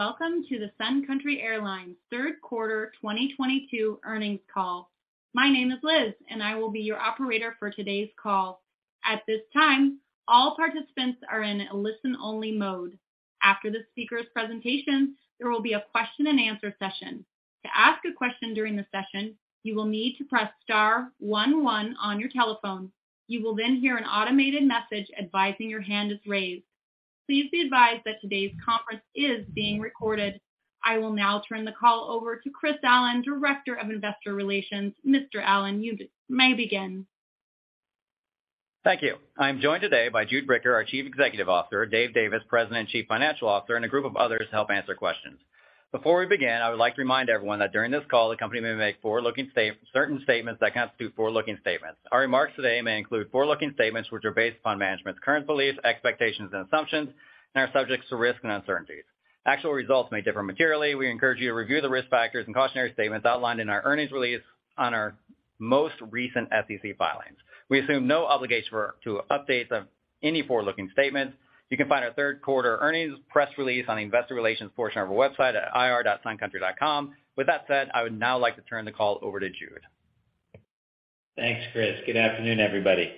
Welcome to the Sun Country Airlines third quarter 2022 earnings call. My name is Liz, and I will be your operator for today's call. At this time, all participants are in listen-only mode. After the speaker's presentation, there will be a question-and-answer session. To ask a question during the session, you will need to press star one one on your telephone. You will then hear an automated message advising your hand is raised. Please be advised that today's conference is being recorded. I will now turn the call over to Chris Allen, Director of Investor Relations. Mr. Allen, you may begin. Thank you. I'm joined today by Jude Bricker, our Chief Executive Officer, Dave Davis, President and Chief Financial Officer, and a group of others to help answer questions. Before we begin, I would like to remind everyone that during this call, the company may make forward-looking certain statements that constitute forward-looking statements. Our remarks today may include forward-looking statements which are based upon management's current beliefs, expectations, and assumptions, and are subject to risks and uncertainties. Actual results may differ materially. We encourage you to review the risk factors and cautionary statements outlined in our earnings release on our most recent SEC filings. We assume no obligation to updates of any forward-looking statements. You can find our third quarter earnings press release on the investor relations portion of our website at ir.suncountry.com. With that said, I would now like to turn the call over to Jude. Thanks, Chris. Good afternoon, everybody.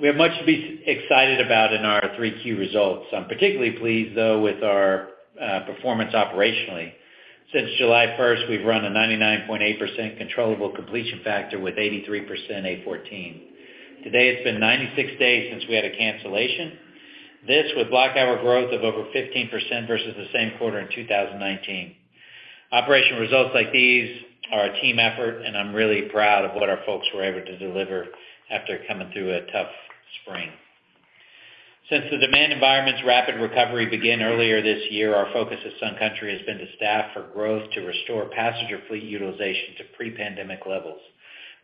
We have much to be excited about in our 3Q results. I'm particularly pleased, though, with our performance operationally. Since July 1, we've run a 99.8% controllable completion factor with 83% A14. Today, it's been 96 days since we had a cancellation. This with block hour growth of over 15% versus the same quarter in 2019. Operational results like these are a team effort, and I'm really proud of what our folks were able to deliver after coming through a tough spring. Since the demand environment's rapid recovery began earlier this year, our focus at Sun Country has been to staff for growth to restore passenger fleet utilization to pre-pandemic levels.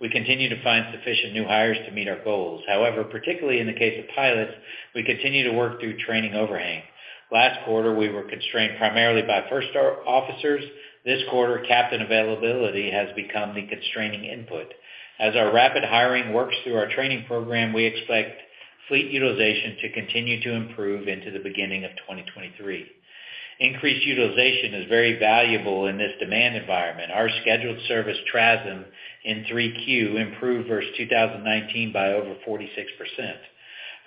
We continue to find sufficient new hires to meet our goals. However, particularly in the case of pilots, we continue to work through training overhang. Last quarter, we were constrained primarily by first officers. This quarter, captain availability has become the constraining input. As our rapid hiring works through our training program, we expect fleet utilization to continue to improve into the beginning of 2023. Increased utilization is very valuable in this demand environment. Our scheduled service TRASM in 3Q improved versus 2019 by over 46%.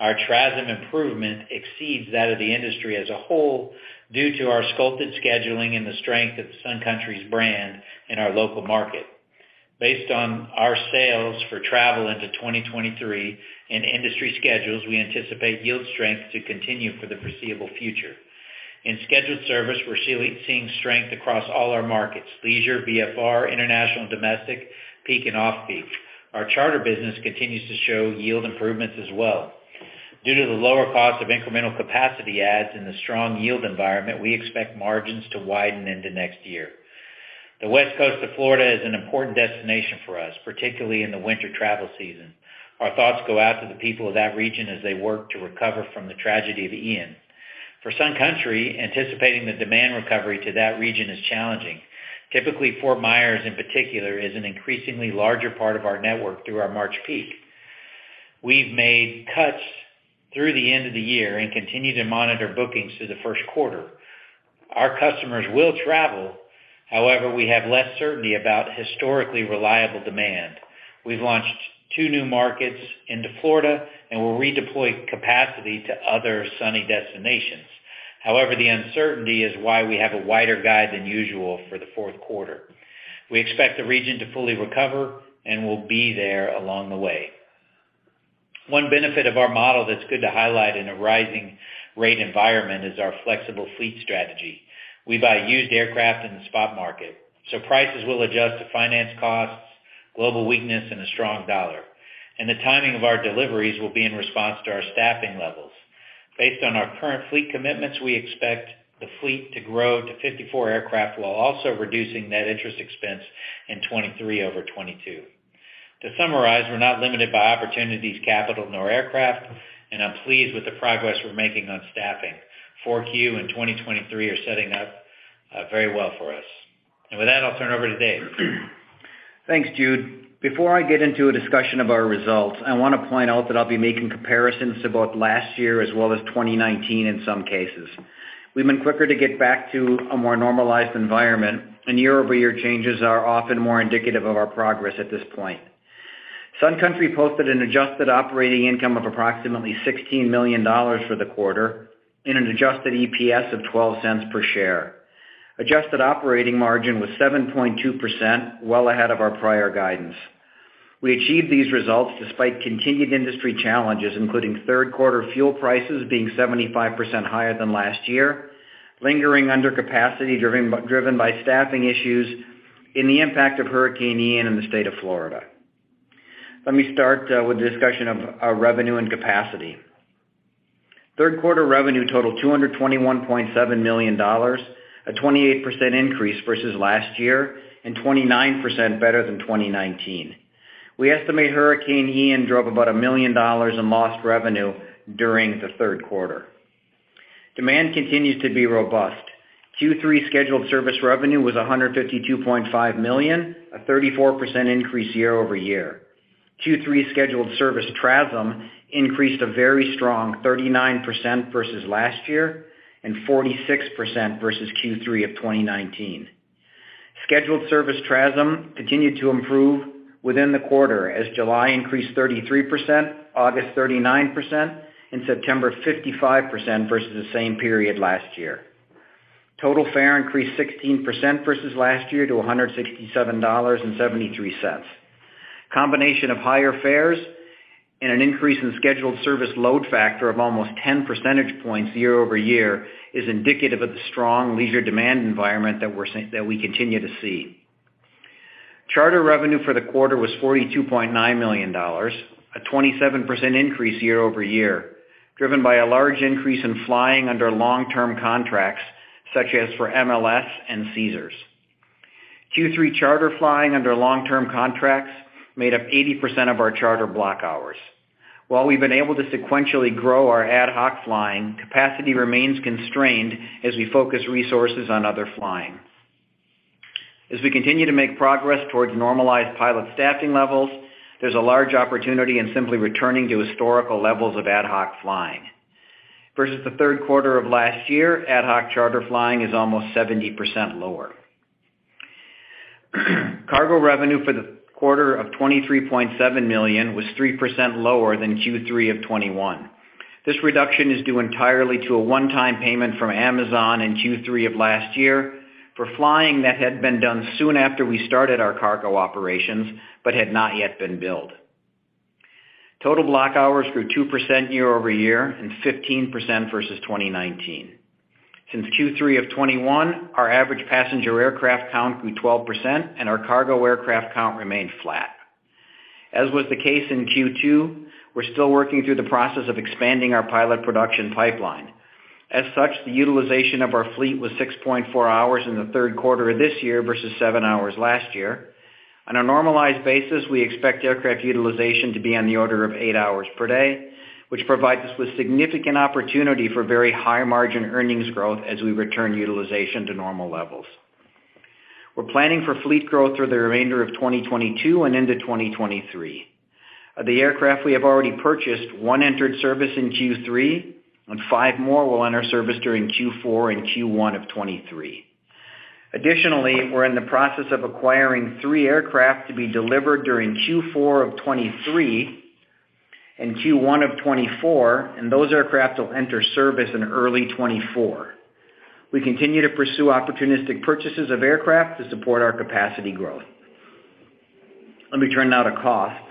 Our TRASM improvement exceeds that of the industry as a whole due to our sculpted scheduling and the strength of Sun Country's brand in our local market. Based on our sales for travel into 2023 and industry schedules, we anticipate yield strength to continue for the foreseeable future. In scheduled service, we're seeing strength across all our markets, leisure, VFR, international and domestic, peak and off-peak. Our charter business continues to show yield improvements as well. Due to the lower cost of incremental capacity adds and the strong yield environment, we expect margins to widen into next year. The West Coast of Florida is an important destination for us, particularly in the winter travel season. Our thoughts go out to the people of that region as they work to recover from the tragedy of Hurricane Ian. For Sun Country, anticipating the demand recovery to that region is challenging. Typically, Fort Myers in particular, is an increasingly larger part of our network through our March peak. We've made cuts through the end of the year and continue to monitor bookings through the first quarter. Our customers will travel. However, we have less certainty about historically reliable demand. We've launched two new markets into Florida and will redeploy capacity to other sunny destinations. However, the uncertainty is why we have a wider guide than usual for the fourth quarter. We expect the region to fully recover and will be there along the way. One benefit of our model that's good to highlight in a rising rate environment is our flexible fleet strategy. We buy used aircraft in the spot market, so prices will adjust to finance costs, global weakness, and a strong dollar. The timing of our deliveries will be in response to our staffing levels. Based on our current fleet commitments, we expect the fleet to grow to 54 aircraft while also reducing net interest expense in 2023 over 2022. To summarize, we're not limited by opportunities, capital, nor aircraft, and I'm pleased with the progress we're making on staffing. Q4 in 2023 are setting up very well for us. With that, I'll turn it over to Dave. Thanks, Jude. Before I get into a discussion of our results, I wanna point out that I'll be making comparisons to both last year as well as 2019 in some cases. We've been quicker to get back to a more normalized environment, and year-over-year changes are often more indicative of our progress at this point. Sun Country posted an adjusted operating income of approximately $16 million for the quarter and an adjusted EPS of $0.12 per share. Adjusted operating margin was 7.2%, well ahead of our prior guidance. We achieved these results despite continued industry challenges, including third quarter fuel prices being 75% higher than last year, lingering under capacity driven by staffing issues and the impact of Hurricane Ian in the state of Florida. Let me start with a discussion of our revenue and capacity. Third quarter revenue totaled $221.7 million, a 28% increase versus last year and 29% better than 2019. We estimate Hurricane Ian drove about $1 million in lost revenue during the third quarter. Demand continues to be robust. Q3 scheduled service revenue was $152.5 million, a 34% increase year-over-year. Q3 scheduled service TRASM increased a very strong 39% versus last year and 46% versus Q3 of 2019. Scheduled service TRASM continued to improve within the quarter as July increased 33%, August 39%, and September 55% versus the same period last year. Total fare increased 16% versus last year to $167.73. Combination of higher fares and an increase in scheduled service load factor of almost 10 percentage points year-over-year is indicative of the strong leisure demand environment that we continue to see. Charter revenue for the quarter was $42.9 million, a 27% increase year-over-year, driven by a large increase in flying under long-term contracts, such as for MLS and Caesars. Q3 charter flying under long-term contracts made up 80% of our charter block hours. While we've been able to sequentially grow our ad hoc flying, capacity remains constrained as we focus resources on other flying. As we continue to make progress towards normalized pilot staffing levels, there's a large opportunity in simply returning to historical levels of ad hoc flying. Versus the third quarter of last year, ad hoc charter flying is almost 70% lower. Cargo revenue for the quarter of $23.7 million was 3% lower than Q3 of 2021. This reduction is due entirely to a one-time payment from Amazon in Q3 of last year for flying that had been done soon after we started our cargo operations but had not yet been billed. Total block hours grew 2% year-over-year and 15% versus 2019. Since Q3 of 2021, our average passenger aircraft count grew 12% and our cargo aircraft count remained flat. As was the case in Q2, we're still working through the process of expanding our pilot production pipeline. As such, the utilization of our fleet was 6.4 hours in the third quarter of this year versus 7 hours last year. On a normalized basis, we expect aircraft utilization to be on the order of eight hours per day, which provides us with significant opportunity for very high margin earnings growth as we return utilization to normal levels. We're planning for fleet growth through the remainder of 2022 and into 2023. Of the aircraft we have already purchased, one entered service in Q3, and five more will enter service during Q4 and Q1 of 2023. Additionally, we're in the process of acquiring three aircraft to be delivered during Q4 of 2023 and Q1 of 2024, and those aircraft will enter service in early 2024. We continue to pursue opportunistic purchases of aircraft to support our capacity growth. Let me turn now to costs.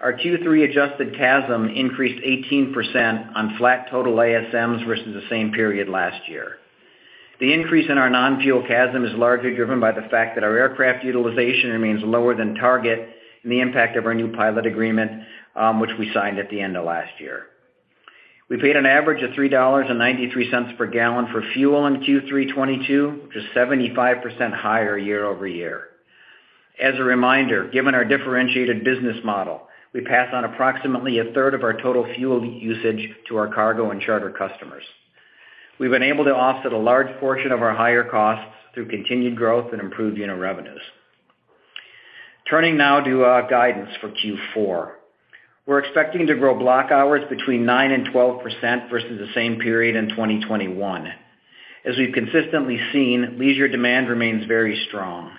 Our Q3 adjusted CASM increased 18% on flat total ASMs versus the same period last year. The increase in our non-fuel CASM is largely driven by the fact that our aircraft utilization remains lower than target and the impact of our new pilot agreement, which we signed at the end of last year. We paid an average of $3.93 per gallon for fuel in Q3 2022, which is 75% higher year-over-year. As a reminder, given our differentiated business model, we pass on approximately 1/3 of our total fuel usage to our cargo and charter customers. We've been able to offset a large portion of our higher costs through continued growth and improved unit revenues. Turning now to our guidance for Q4. We're expecting to grow block hours between 9% and 12% versus the same period in 2021. As we've consistently seen, leisure demand remains very strong.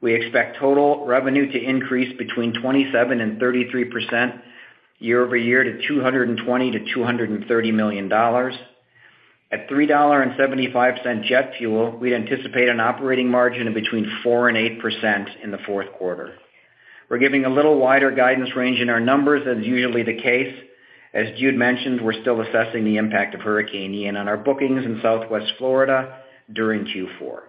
We expect total revenue to increase between 27% and 33% year-over-year to $220 million-$230 million. At $3.75 jet fuel, we'd anticipate an operating margin of between 4% and 8% in the fourth quarter. We're giving a little wider guidance range in our numbers as is usually the case. As Jude mentioned, we're still assessing the impact of Hurricane Ian on our bookings in Southwest Florida during Q4.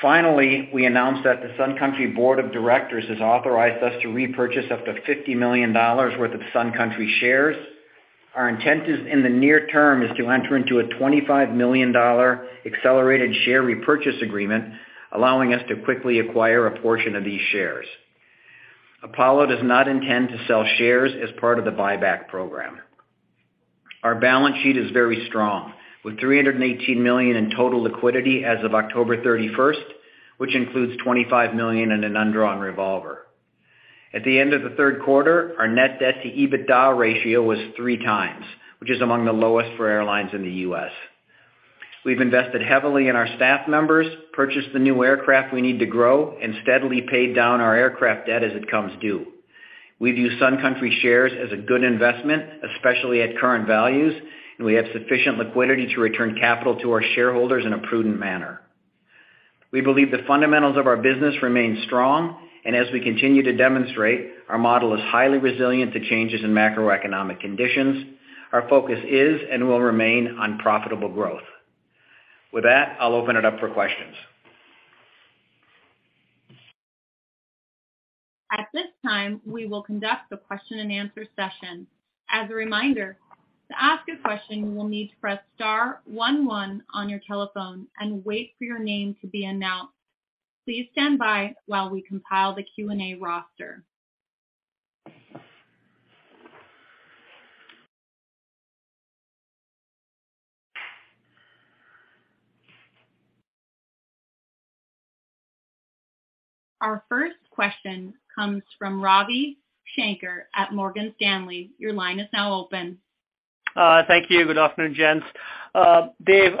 Finally, we announced that the Sun Country Board of Directors has authorized us to repurchase up to $50 million worth of Sun Country shares. Our intent is, in the near term, to enter into a $25 million accelerated share repurchase agreement, allowing us to quickly acquire a portion of these shares. Apollo does not intend to sell shares as part of the buyback program. Our balance sheet is very strong, with $318 million in total liquidity as of October 31, which includes $25 million in an undrawn revolver. At the end of the third quarter, our net debt to EBITDA ratio was 3x, which is among the lowest for airlines in the U.S. We've invested heavily in our staff members, purchased the new aircraft we need to grow, and steadily paid down our aircraft debt as it comes due. We view Sun Country shares as a good investment, especially at current values, and we have sufficient liquidity to return capital to our shareholders in a prudent manner. We believe the fundamentals of our business remain strong, and as we continue to demonstrate, our model is highly resilient to changes in macroeconomic conditions. Our focus is and will remain on profitable growth. With that, I'll open it up for questions. At this time, we will conduct the question-and-answer session. As a reminder, to ask a question, you will need to press star one one on your telephone and wait for your name to be announced. Please stand by while we compile the Q&A roster. Our first question comes from Ravi Shanker at Morgan Stanley. Your line is now open. Thank you. Good afternoon, gents. Dave,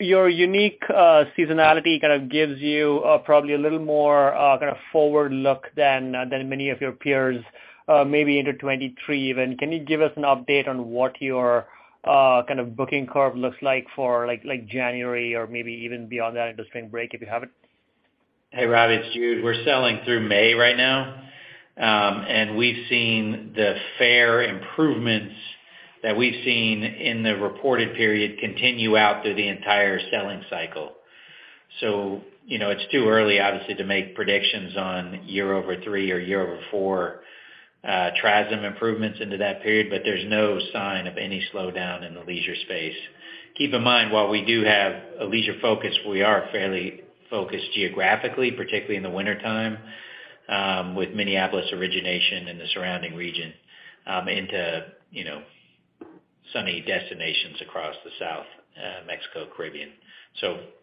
your unique seasonality kind of gives you probably a little more kind of forward look than many of your peers, maybe into 2023 even. Can you give us an update on what your kind of booking curve looks like for like January or maybe even beyond that into spring break if you have it? Hey, Ravi, it's Jude. We're selling through May right now. We've seen the fare improvements that we've seen in the reported period continue out through the entire selling cycle. You know, it's too early, obviously, to make predictions on year-over-year Q3 or year-over-year Q4 TRASM improvements into that period, but there's no sign of any slowdown in the leisure space. Keep in mind, while we do have a leisure focus, we are fairly focused geographically, particularly in the wintertime, with Minneapolis origination and the surrounding region, into, you know, sunny destinations across the South, Mexico, Caribbean.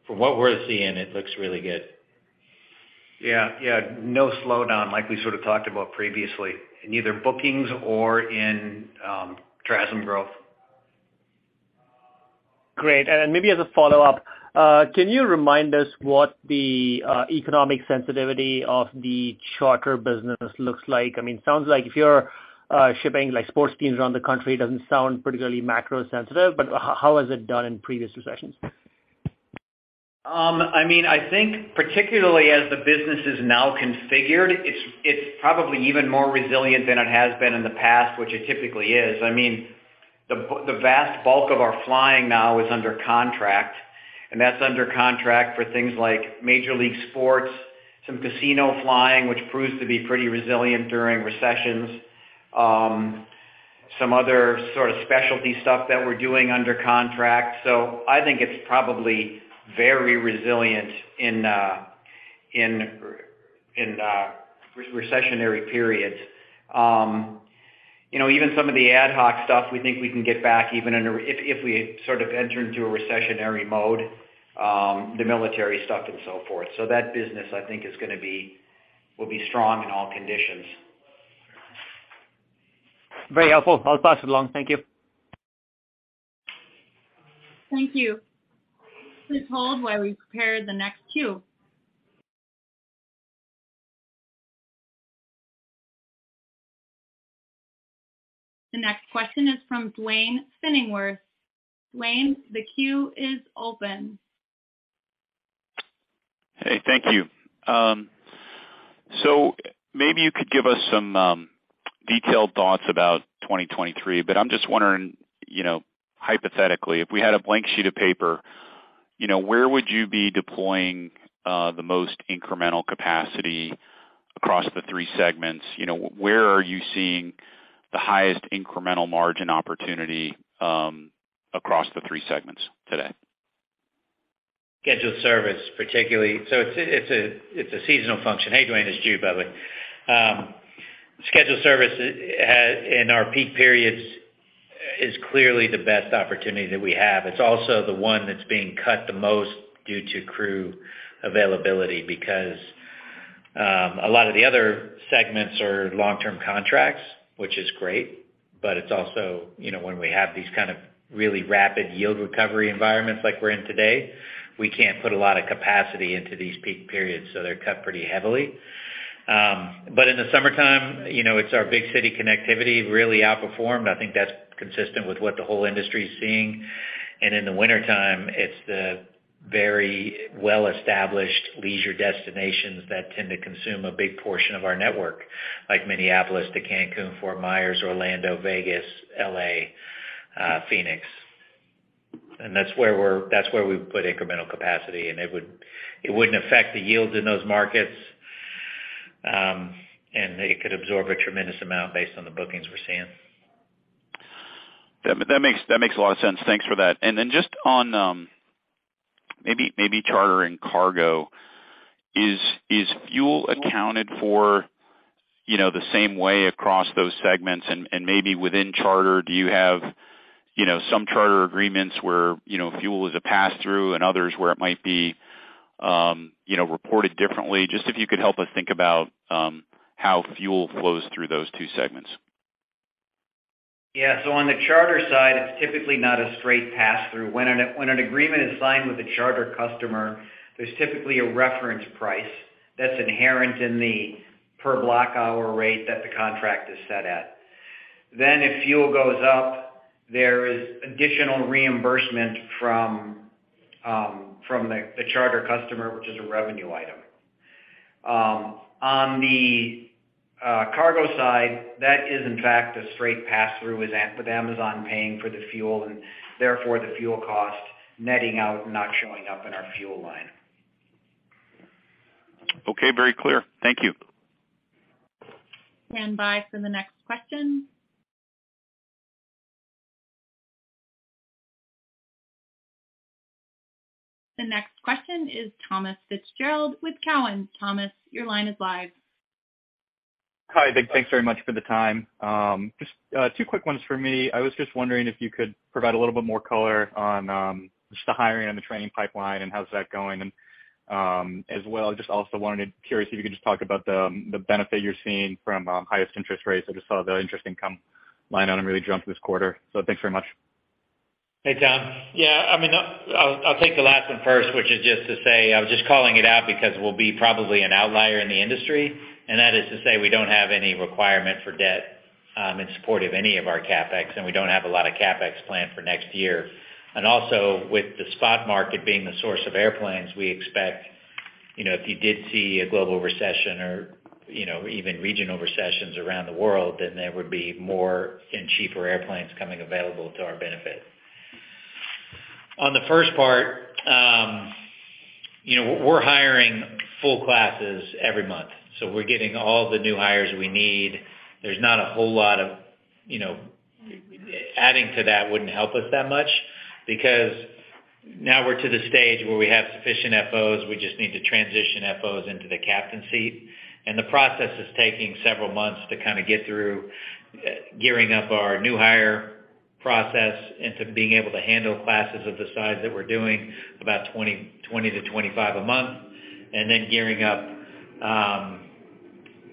From what we're seeing, it looks really good. Yeah. No slowdown like we sort of talked about previously in either bookings or in TRASM growth. Great. Maybe as a follow-up, can you remind us what the economic sensitivity of the charter business looks like? I mean, it sounds like if you're shipping like sports teams around the country, it doesn't sound particularly macro sensitive, but how has it done in previous recessions? I mean, I think particularly as the business is now configured, it's probably even more resilient than it has been in the past, which it typically is. I mean, the vast bulk of our flying now is under contract, and that's under contract for things like major league sports, some casino flying, which proves to be pretty resilient during recessions, some other sort of specialty stuff that we're doing under contract. I think it's probably very resilient in recessionary periods. You know, even some of the ad hoc stuff we think we can get back even if we sort of enter into a recessionary mode, the military stuff and so forth. That business, I think, will be strong in all conditions. Very helpful. I'll pass it along. Thank you. Thank you. Please hold while we prepare the next queue. The next question is from Duane Pfennigwerth. Duane, the queue is open. Hey, thank you. Maybe you could give us some detailed thoughts about 2023. I'm just wondering, you know, hypothetically, if we had a blank sheet of paper, you know, where would you be deploying the most incremental capacity across the three segments? You know, where are you seeing the highest incremental margin opportunity across the three segments today? Scheduled service, particularly. It's a seasonal function. Hey, Duane, it's Jude by the way. Scheduled service, it has in our peak periods is clearly the best opportunity that we have. It's also the one that's being cut the most due to crew availability because a lot of the other segments are long-term contracts, which is great. It's also, you know, when we have these kind of really rapid yield recovery environments like we're in today, we can't put a lot of capacity into these peak periods, so they're cut pretty heavily. In the summertime, you know, it's our big city connectivity really outperformed. I think that's consistent with what the whole industry is seeing. In the wintertime, it's the very well-established leisure destinations that tend to consume a big portion of our network, like Minneapolis to Cancún, Fort Myers, Orlando, Vegas, L.A., Phoenix. That's where we put incremental capacity, and it wouldn't affect the yields in those markets, and it could absorb a tremendous amount based on the bookings we're seeing. That makes a lot of sense. Thanks for that. Just on maybe charter and cargo. Is fuel accounted for, you know, the same way across those segments? Maybe within charter, do you have, you know, some charter agreements where, you know, fuel is a pass-through and others where it might be, you know, reported differently? Just if you could help us think about how fuel flows through those two segments. Yeah. On the charter side, it's typically not a straight pass-through. When an agreement is signed with a charter customer, there's typically a reference price that's inherent in the per block hour rate that the contract is set at. If fuel goes up, there is additional reimbursement from the charter customer, which is a revenue item. On the cargo side, that is in fact a straight pass-through with Amazon paying for the fuel, and therefore the fuel cost netting out, not showing up in our fuel line. Okay. Very clear. Thank you. Stand by for the next question. The next question is Thomas Fitzgerald with Cowen. Thomas, your line is live. Hi. Thanks very much for the time. Just two quick ones for me. I was just wondering if you could provide a little bit more color on just the hiring and the training pipeline and how's that going. As well, just also curious if you could just talk about the benefit you're seeing from higher interest rates. I just saw the interest income line item really jumped this quarter. Thanks very much. Hey, Tom. Yeah, I mean, I'll take the last one first, which is just to say, I was just calling it out because we'll be probably an outlier in the industry, and that is to say we don't have any requirement for debt in support of any of our CapEx, and we don't have a lot of CapEx planned for next year. Also, with the spot market being the source of airplanes we expect, you know, if you did see a global recession or, you know, even regional recessions around the world, then there would be more and cheaper airplanes coming available to our benefit. On the first part, you know, we're hiring full classes every month, so we're getting all the new hires we need. There's not a whole lot of, you know, adding to that wouldn't help us that much because now we're at the stage where we have sufficient FOs. We just need to transition FOs into the captain seat. The process is taking several months to kind of get through gearing up our new hire process into being able to handle classes of the size that we're doing, about 20-25 a month, and then gearing up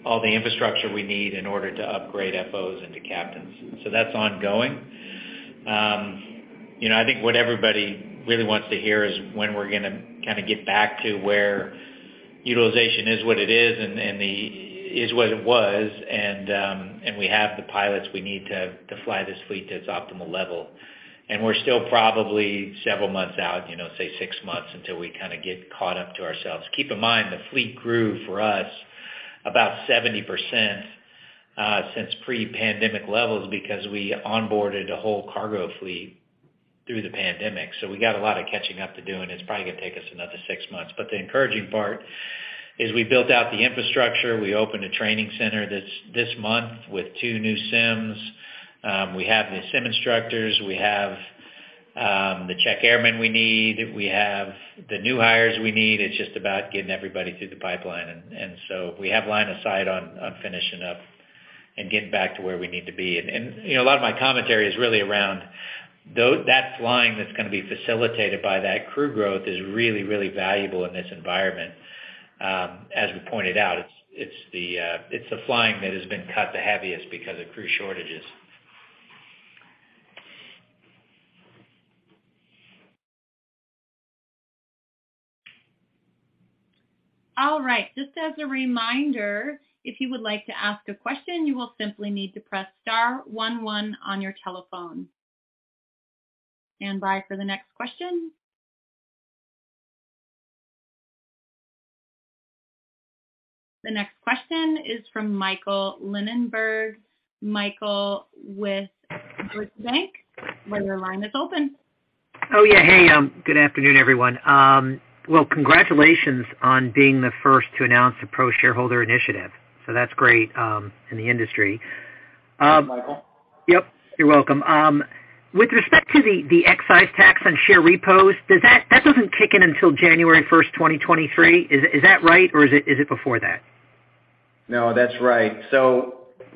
all the infrastructure we need in order to upgrade FOs into captains. That's ongoing. You know, I think what everybody really wants to hear is when we're gonna kind of get back to where utilization is what it is and is what it was. We have the pilots we need to fly this fleet to its optimal level. We're still probably several months out, you know, say 6 months until we kind of get caught up to ourselves. Keep in mind, the fleet grew for us about 70% since pre-pandemic levels because we onboarded a whole cargo fleet through the pandemic. We got a lot of catching up to do, and it's probably gonna take us another 6 months. The encouraging part is we built out the infrastructure. We opened a training center this month with 2 new sims. We have the sim instructors. We have the check airmen we need. We have the new hires we need. It's just about getting everybody through the pipeline. So we have line of sight on finishing up and getting back to where we need to be. You know, a lot of my commentary is really around that flying that's gonna be facilitated by that crew growth is really, really valuable in this environment. As we pointed out, it's the flying that has been cut the heaviest because of crew shortages. All right. Just as a reminder, if you would like to ask a question, you will simply need to press star one one on your telephone. Stand by for the next question. The next question is from Michael Linenberg. Michael with Deutsche Bank. Your line is open. Oh, yeah. Hey, good afternoon, everyone. Well, congratulations on being the first to announce the pro-shareholder initiative. That's great in the industry. Thanks, Michael. Yep, you're welcome. With respect to the excise tax on share repos, that doesn't kick in until January first, 2023. Is that right, or is it before that? No, that's right.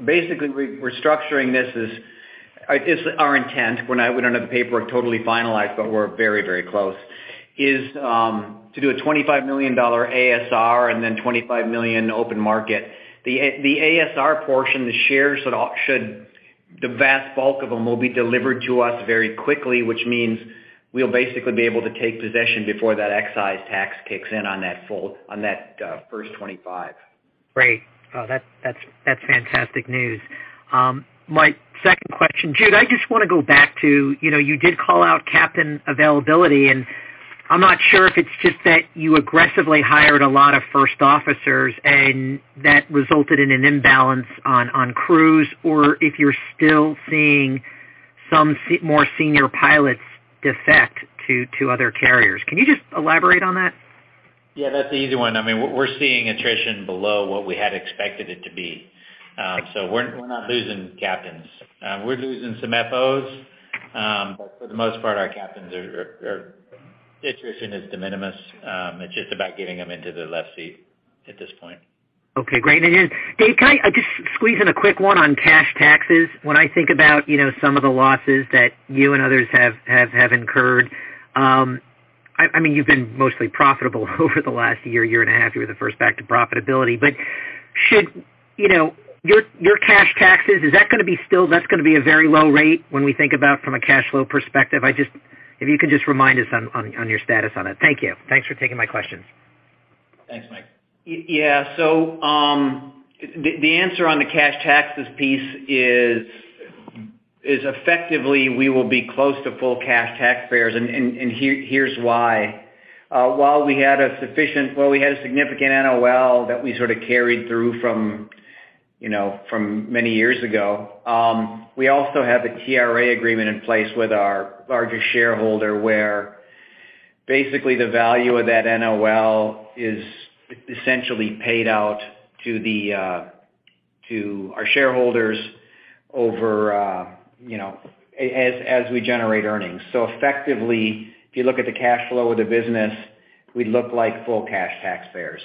Basically, we're structuring this as it's our intent, we don't have the paperwork totally finalized, but we're very close to do a $25 million ASR and then $25 million open market. The ASR portion, the shares that should the vast bulk of them will be delivered to us very quickly, which means we'll basically be able to take possession before that excise tax kicks in on that full, on that first $25 million. Great. Oh, that's fantastic news. My second question, Jude, I just wanna go back to, you know, you did call out captain availability, and I'm not sure if it's just that you aggressively hired a lot of first officers and that resulted in an imbalance on crews, or if you're still seeing some more senior pilots defect to other carriers. Can you just elaborate on that? Yeah, that's an easy one. I mean, we're seeing attrition below what we had expected it to be. We're not losing captains. We're losing some FOs. For the most part, our captains are. Attrition is de minimis. It's just about getting them into the left seat at this point. Okay, great. Then Dave, can I just squeeze in a quick one on cash taxes? When I think about, you know, some of the losses that you and others have incurred, I mean, you've been mostly profitable over the last year and a half. You were the first back to profitability. Should, you know, your cash taxes, that's gonna be a very low rate when we think about from a cash flow perspective? If you can just remind us on your status on it. Thank you. Thanks for taking my questions. Thanks, Michael. Yeah. The answer on the cash taxes piece is effectively, we will be close to full cash tax payers. Here's why. While we had a significant NOL that we sort of carried through from, you know, from many years ago, we also have a TRA agreement in place with our largest shareholder, where basically the value of that NOL is essentially paid out to the, to our shareholders. Over, you know, as we generate earnings. Effectively, if you look at the cash flow of the business, we look like full cash taxpayers.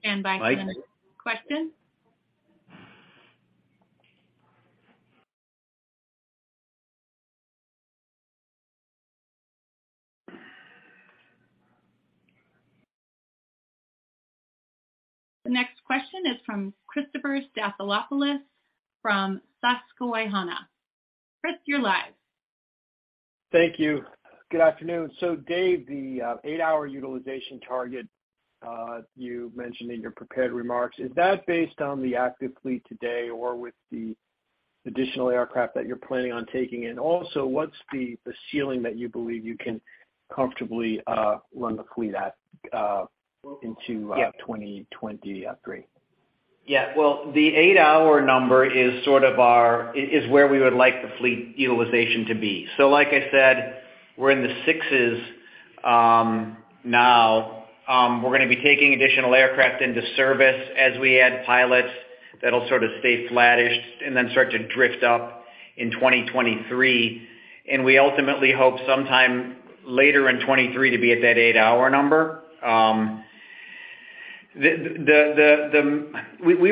Stand by for the next question. The next question is from Christopher Stathoulopoulos from Susquehanna. Chris, you're live. Thank you. Good afternoon. Dave, the eight-hour utilization target you mentioned in your prepared remarks, is that based on the active fleet today or with the additional aircraft that you're planning on taking in? Also, what's the ceiling that you believe you can comfortably run the fleet at into 2023? Yeah. Well, the 8-hour number is where we would like the fleet utilization to be. Like I said, we're in the 6s now. We're gonna be taking additional aircraft into service as we add pilots. That'll sort of stay flattish and then start to drift up in 2023. We ultimately hope sometime later in 2023 to be at that 8-hour number. We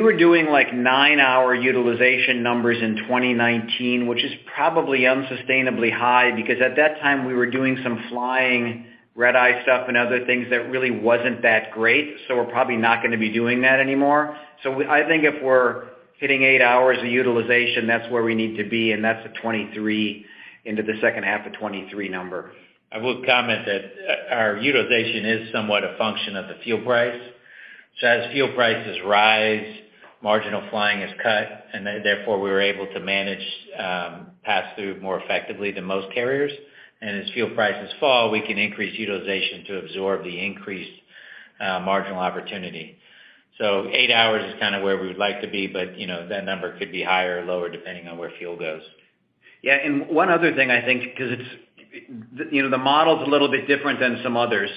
were doing, like, 9-hour utilization numbers in 2019, which is probably unsustainably high because at that time we were doing some flying redeye stuff and other things that really wasn't that great, so we're probably not gonna be doing that anymore. I think if we're hitting 8 hours of utilization, that's where we need to be, and that's a 2023 into the second half of 2023 number. I would comment that, our utilization is somewhat a function of the fuel price. As fuel prices rise, marginal flying is cut, and therefore, we're able to manage pass-through more effectively than most carriers. As fuel prices fall, we can increase utilization to absorb the increased marginal opportunity. Eight hours is kind of where we would like to be, but you know, that number could be higher or lower depending on where fuel goes. One other thing I think, 'cause it's, you know, the model's a little bit different than some others.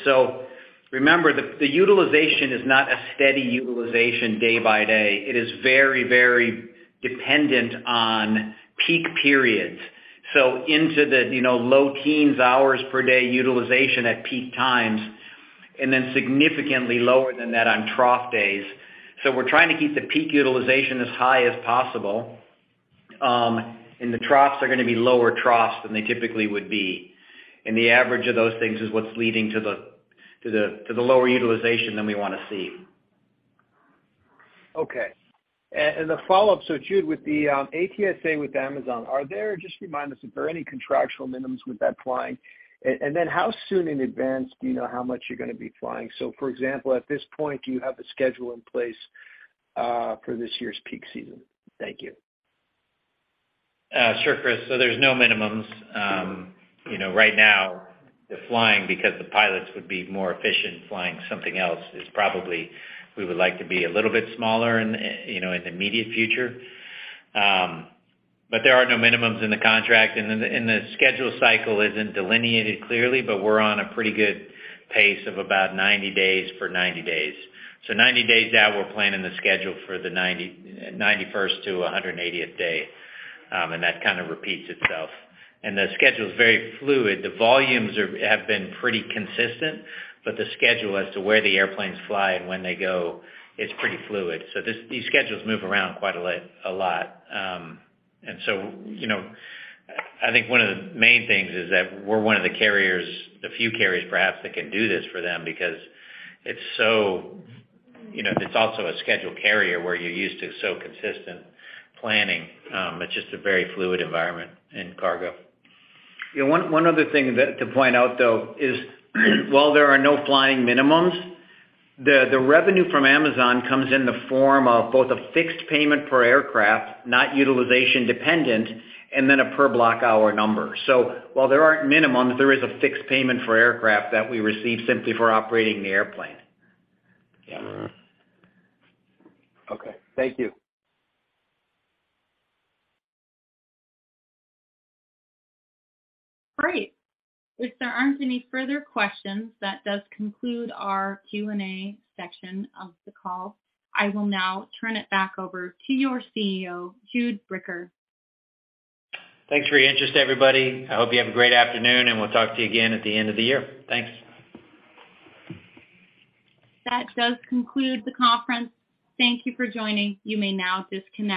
Remember, the utilization is not a steady utilization day by day. It is very, very dependent on peak periods. Up into the, you know, low teens hours per day utilization at peak times, and then significantly lower than that on trough days. We're trying to keep the peak utilization as high as possible, and the troughs are gonna be lower troughs than they typically would be. The average of those things is what's leading to the lower utilization than we wanna see. Okay. A follow-up. Jude, with the ATSA with Amazon, are there, just remind us, are there any contractual minimums with that flying? Then how soon in advance do you know how much you're gonna be flying? For example, at this point, do you have a schedule in place for this year's peak season? Thank you. Sure, Chris. There's no minimums. You know, right now they're flying because the pilots would be more efficient flying something else. It's probably we would like to be a little bit smaller in, you know, in the immediate future. But there are no minimums in the contract. Then the schedule cycle isn't delineated clearly, but we're on a pretty good pace of about 90 days for 90 days. 90 days out, we're planning the schedule for the 90, 91st to 180th day, and that kind of repeats itself. The schedule's very fluid. The volumes have been pretty consistent, but the schedule as to where the airplanes fly and when they go is pretty fluid. These schedules move around quite a lot. You know, I think one of the main things is that we're one of the carriers, the few carriers perhaps, that can do this for them because it's so you know, if it's also a scheduled carrier where you're used to so consistent planning, it's just a very fluid environment in cargo. Yeah. One other thing that to point out though is while there are no flying minimums, the revenue from Amazon comes in the form of both a fixed payment per aircraft, not utilization dependent, and then a per block hour number. While there aren't minimums, there is a fixed payment for aircraft that we receive simply for operating the airplane. Yeah. Okay. Thank you. Great. If there aren't any further questions, that does conclude our Q&A section of the call. I will now turn it back over to your CEO, Jude Bricker. Thanks for your interest, everybody. I hope you have a great afternoon, and we'll talk to you again at the end of the year. Thanks. That does conclude the conference. Thank you for joining. You may now disconnect.